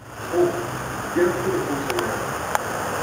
Trop, bien trop de fonctionnaires.